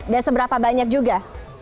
dan seberapa banyak juga